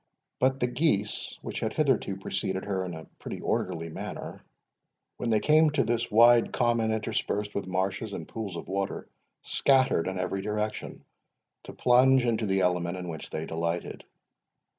But the geese, which had hitherto preceded her in a pretty orderly manner, when they came to this wide common, interspersed with marshes and pools of water, scattered in every direction, to plunge into the element in which they delighted.